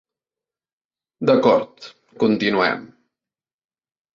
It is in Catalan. D'acord, continuem.